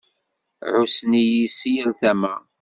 Ɛussen-iyi si yal tama.